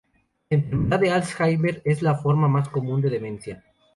La enfermedad de Alzheimer es la forma más común de demencia.